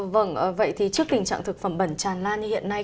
vâng vậy thì trước tình trạng thực phẩm bẩn tràn lan như hiện nay